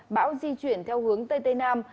bão di chuyển theo hướng tây tây nam